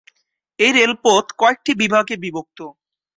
এই রেলপথ কয়েকটি বিভাগে বিভক্ত।